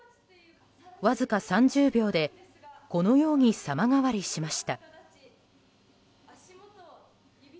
わずか３０秒でこのように様変わりしました。